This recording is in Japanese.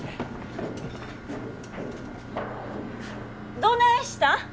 どないしたん。